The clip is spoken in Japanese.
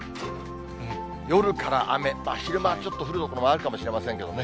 夜から雨、昼間はちょっと降る所もあるかもしれませんけどね。